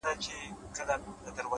• څخه چي څه ووايم څنگه درته ووايم چي،